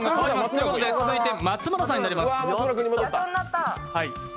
続いて松村さんになります。